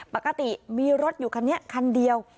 ปกติมีรถอยู่คันนี้คันเดียว